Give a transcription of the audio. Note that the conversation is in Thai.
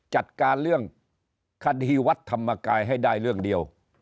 จัดการเรื่องคดีวัดธรรมกายให้ได้เรื่องเดียว